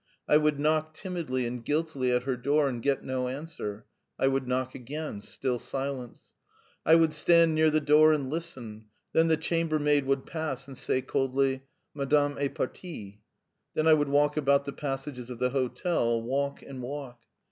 I would knock timidly and guiltily at her door and get no answer; I would knock again still silence. ... I would stand near the door and listen; then the chambermaid would pass and say coldly, "Madame est partie." Then I would walk about the passages of the hotel, walk and walk.